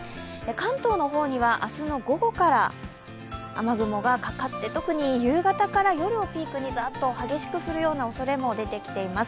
関東の方には明日の午後から雨雲がかかって特に夕方から夜にかけてざーっと激しく降るようなおそれも出てきています。